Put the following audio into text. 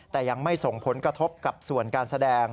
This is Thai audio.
แต่ยังไม่ส่งผลกระทบกับส่วนการแสดง